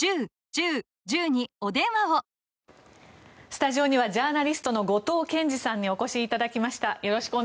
スタジオにはジャーナリストの後藤謙次さんにお越しいただきました。